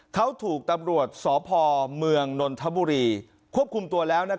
เขาถูกตำรวจสพเมืองนนทบุรีควบคุมตัวแล้ว